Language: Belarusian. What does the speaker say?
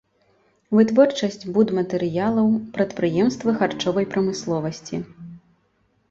Вытворчасць будматэрыялаў, прадпрыемствы харчовай прамысловасці.